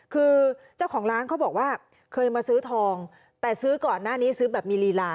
คือเจ้าของร้านเขาบอกว่าเคยมาซื้อทองแต่ซื้อก่อนหน้านี้ซื้อแบบมีลีลา